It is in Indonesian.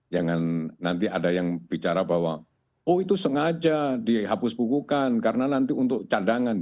jangan nanti ada yang bicara bahwa oh itu sengaja dihapus bukukan karena nanti untuk cadangan